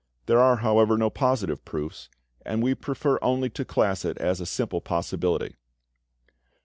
There are, however, no positive proofs, and we prefer only to class it as a simple possibility.